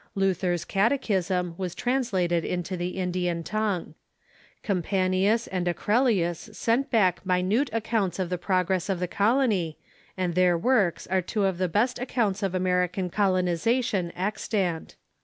Luther's Catechism was translated into the Indian tongue. Carapanius and Acre lius sent back minute accounts of the progress of the colony, and their works are two of the best accounts of American col onization extant.